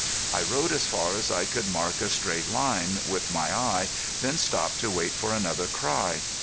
I rode as far as I could mark a straight line with my eye, then stopped to wait for another cry.